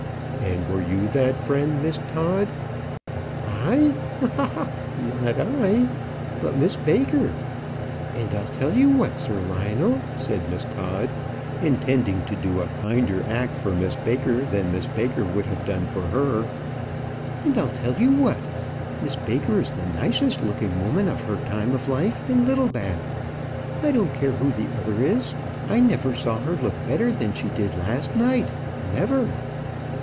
"And were you that friend, Miss Todd?" "I! Ha! ha! ha! No; not I, but Miss Baker. And I'll tell you what, Sir Lionel," said Miss Todd, intending to do a kinder act for Miss Baker than Miss Baker would have done for her. "And I'll tell you what; Miss Baker is the nicest looking woman of her time of life in Littlebath. I don't care who the other is. I never saw her look better than she did last night; never."